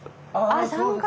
あっ３回。